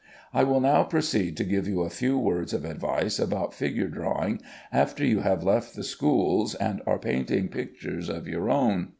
I will now proceed to give you a few words of advice about figure drawing after you have left the schools and are painting pictures of your own.